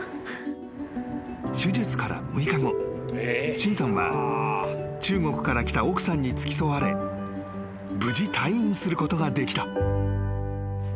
［申さんは中国から来た奥さんに付き添われ無事退院することができた］